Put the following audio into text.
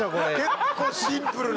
結構シンプルな。